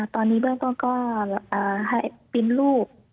ตอนนี้เบื้องต้นก็ให้ปริ้นรูป